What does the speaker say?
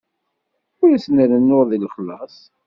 Ur asen-rennuɣ deg lexlaṣ.